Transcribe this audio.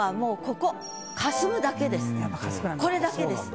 これだけです。